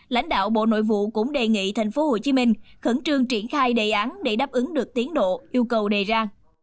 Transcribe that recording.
lãnh đạo bộ nội vụ cũng đề nghị thành phố hồ chí minh khẩn trương triển khai đề án để đáp ứng được tiến độ yêu cầu đề ra